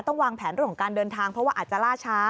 วางแผนเรื่องของการเดินทางเพราะว่าอาจจะล่าช้า